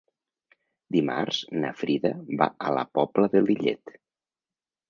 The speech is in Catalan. Dimarts na Frida va a la Pobla de Lillet.